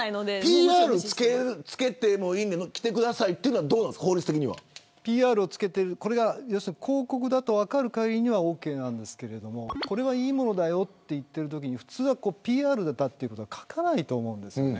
ＰＲを付けてもいいんで着てくださいというのはどうなんですか、法律的には。これが広告だと分かる限りにはオーケーなんですけれどもこれはいいものだよと言ってるときに普通はＰＲだということは書かないと思うんですよね。